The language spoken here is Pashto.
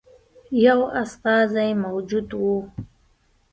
یو استازی موجود وو.